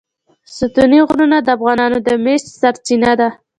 ستوني غرونه د افغانانو د معیشت سرچینه ده.